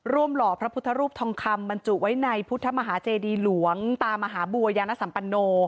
หล่อพระพุทธรูปทองคำบรรจุไว้ในพุทธมหาเจดีหลวงตามหาบัวยานสัมปโน